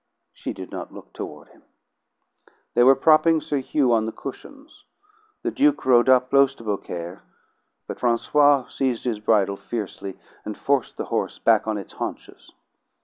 She did not look toward him. They were propping Sir Hugh on the cushions. The Duke rode up close to Beaucaire, but Francois seized his bridle fiercely, and forced the horse back on its haunches.